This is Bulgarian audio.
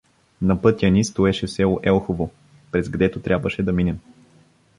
На пътя ни стоеше село Елхово, през гдето трябваше да минем.